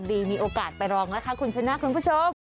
มีโอกาสไปลองนะคะคุณชนะคุณผู้ชม